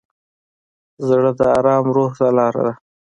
زړه د ارام روح ته لاره ده.